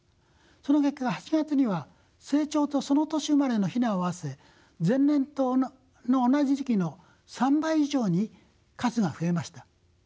その結果８月には成鳥とその年生まれの雛を合わせ前年の同じ時期の３倍以上に数が増えました。